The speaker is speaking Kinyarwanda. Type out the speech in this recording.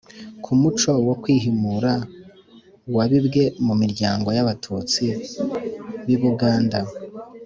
ku muco wo kwihimura wabibwe mu miryango y'abatutsi b'i buganda